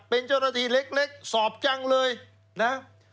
เป็นเจ้าหน้าที่เล็กสอบจังเลยนะ